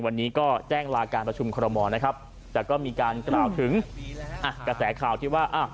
วันนี้ก็แจ้งลาการพัชิมครมเหมาะแล้วก็มีการกล่าวถึงกระแสข่าวว่า